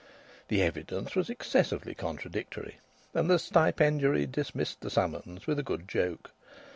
The evidence was excessively contradictory, and the Stipendiary dismissed the summons with a good joke.